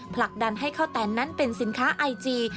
ผลักดันให้ข้าวแตนนั้นเป็นสินค้าไอจี